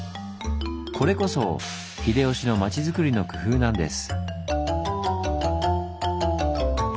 これこそ秀吉の町づくりの工夫なんです。